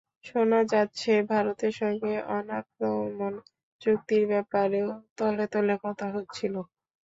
শোনা যাচ্ছে, ভারতের সঙ্গে অনাক্রমণ চুক্তির ব্যাপারেও তলে তলে কথা হচ্ছিল।